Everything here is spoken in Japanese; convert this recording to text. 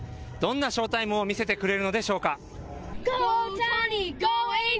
どんなショータイムを見せてくれるのでしょうか。